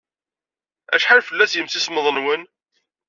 Acḥal fell-as yimsismeḍ-nwen?